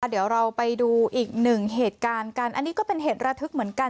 เดี๋ยวเราไปดูอีกหนึ่งเหตุการณ์กันอันนี้ก็เป็นเหตุระทึกเหมือนกัน